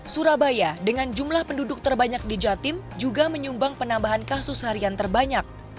surabaya dengan jumlah penduduk terbanyak di jatim juga menyumbang penambahan kasus harian terbanyak